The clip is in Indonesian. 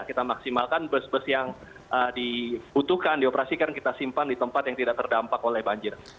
kita maksimalkan bus bus yang dibutuhkan dioperasikan kita simpan di tempat yang tidak terdampak oleh banjir